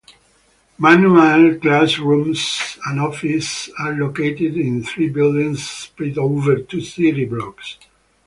Manual classrooms and offices are located in three buildings spread over two city blocks.